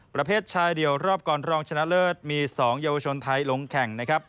ประเภทชายเดี่ยวรอบก่อนรองชนะเลิศมี๒เยาวชนไทยลงแข่งนะครับ